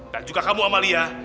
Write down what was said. dan juga kamu amalia